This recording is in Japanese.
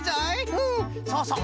うんそうそう。